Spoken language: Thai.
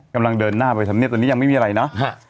กำลังเดินหน้าไปทำเนียบตอนนี้ยังไม่มีอะไรเนาะ